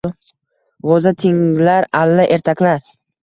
G‘o‘za tinglar alla, ertaklar.